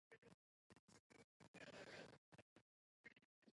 在现场，前三十秒听得出来是中文，后面我真以为是日文版本的